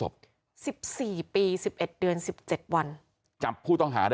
กลับไปลองกลับ